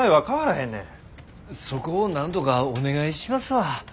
そこをなんとかお願いしますわ。